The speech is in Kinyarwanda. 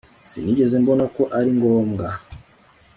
Sinigeze mbona ko ari ngombwa